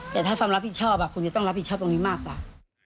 แต่ถ้าความรับผิดชอบคุณจะต้องรับผิดชอบตรงนี้มากกว่า